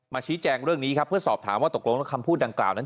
ชี้แจงเรื่องนี้ครับเพื่อสอบถามว่าตกลงแล้วคำพูดดังกล่าวนั้น